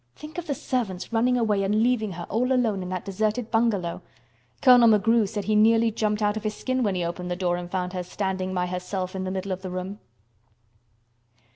Think of the servants running away and leaving her all alone in that deserted bungalow. Colonel McGrew said he nearly jumped out of his skin when he opened the door and found her standing by herself in the middle of the room."